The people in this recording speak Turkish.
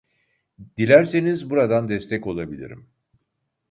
Dilerseniz buradan destek olabilirim ?